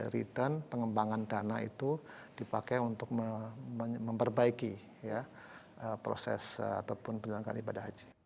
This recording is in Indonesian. return pengembangan dana itu dipakai untuk memperbaiki proses ataupun penyelenggaraan ibadah haji